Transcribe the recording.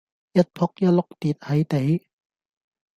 一僕一碌跌係地